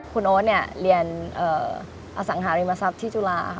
คุณโอ๊ตเรียนอสังหาริมทรัพย์ที่จุฬา